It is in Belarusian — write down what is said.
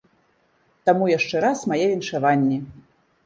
Таму яшчэ раз мае віншаванні!